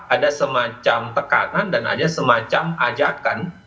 ada semacam tekanan dan ada semacam ajakan